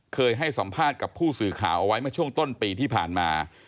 เคยให้สัมภาษณ์กับผู้สื่อข่าวเอาไว้เมื่อช่วงต้นปีที่ผ่านมา